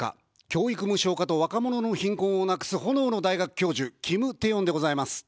教育無償化と若者の貧困をなくす炎の大学教授、キムテヨンでございます。